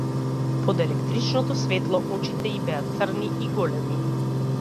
Под електричното светло очите и беа црни и големи.